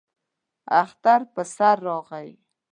اختر پر سر راغی.